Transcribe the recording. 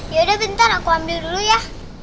yaudah bentar aku ambil dulu ya